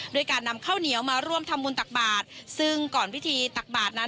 ด้วยการนำข้าวเหนียวมาร่วมทำบุญตักบาทซึ่งก่อนพิธีตักบาทนั้น